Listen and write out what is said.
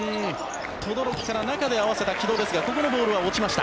轟から中で合わせた城戸ですがここのボールは落ちました。